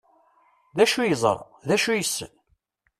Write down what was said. D acu i yeẓra? D acu yessen?